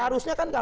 harusnya kan kalau